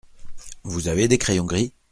Vous avez des crayons gris ?